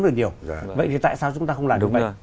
hơn nhiều vậy thì tại sao chúng ta không làm được vậy